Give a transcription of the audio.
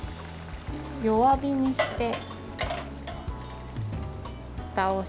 弱火にして、ふたをします。